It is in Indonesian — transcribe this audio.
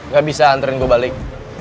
gak bisa anterin gue balik